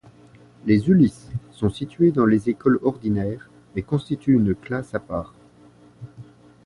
Les Ulis sont situées dans les écoles ordinaires, mais constituent une classe à part.